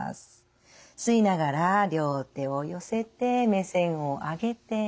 吸いながら両手を寄せて目線を上げて。